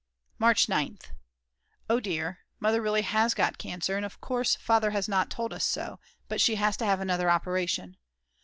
March 9th. Oh dear, Mother really has got cancer; of course Father has not told us so, but she has to have another operation.